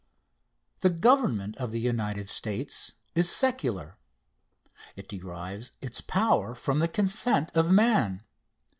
The Government of the United States is secular. It derives its power from the consent of man.